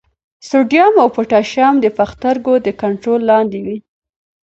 سوډیم او پوټاشیم د پښتورګو تر کنټرول لاندې وي.